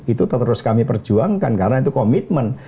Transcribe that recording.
itu terus kami perjuangkan karena itu komitmen